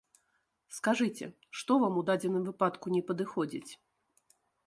Скажыце, што вам у дадзеным выпадку не падыходзіць?